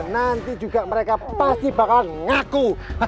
nanti juga mereka pasti bakal ngaku